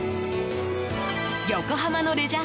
横浜のレジャー